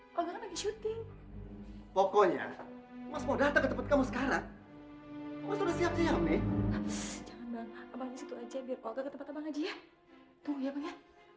abang hanya situ aja biar olga ke tempat abang aja ya